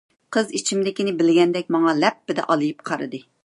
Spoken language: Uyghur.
قىز ئىچىمدىكىنى بىلگەندەك ماڭا لەپپىدە ئالىيىپ قارىدى.